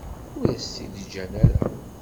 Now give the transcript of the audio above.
Ur as-t-id-ǧǧan ara.